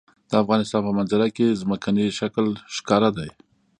د افغانستان په منظره کې ځمکنی شکل ښکاره دی.